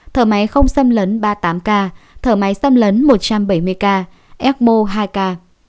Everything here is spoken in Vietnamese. thở máy không xâm lấn ba mươi tám ca thở máy xâm lấn một trăm bảy mươi k ecmo hai k